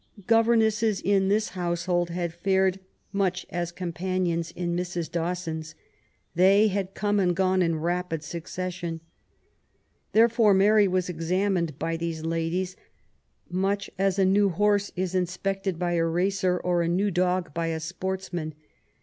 Governesses in this household had fared much as companions in Mrs. Dawson's. They had come and gone in rapid succession. Therefore Mary was examined by these ladies much as a new horse is inspected by a racer, or a new dog by a sportsman.